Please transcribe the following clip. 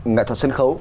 nghệ thuật sân khấu